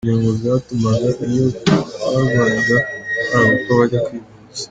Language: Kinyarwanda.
Ibyo ngo byatumaga iyo barwaraga baburaga uko bajya kwivuza.